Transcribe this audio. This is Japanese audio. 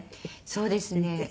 そうですね。